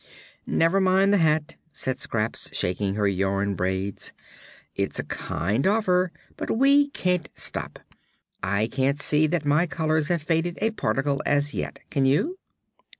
"Never mind the hat," said Scraps, shaking her yarn braids; "it's a kind offer, but we can't stop. I can't see that my colors have faded a particle, as yet; can you?"